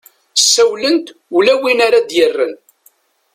ssawlent ula win ara ad-yerren